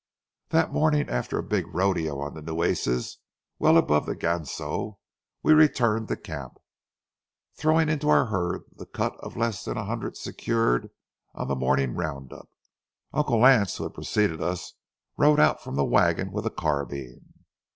That morning after a big rodeo on the Nueces, well above the Ganso, we returned to camp. Throwing into our herd the cut of less than a hundred secured on the morning round up, Uncle Lance, who had preceded us, rode out from the wagon with a carbine.